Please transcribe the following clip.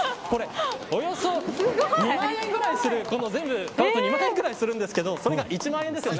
およそ２万円ぐらいする全部で２万円ぐらいするんですけどそれが１万円です。